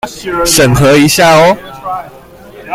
審核一下唷！